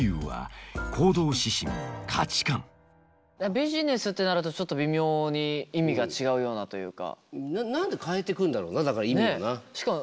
ビジネスってなるとちょっと微妙に意味が違うようなというか。